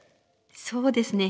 そうですね。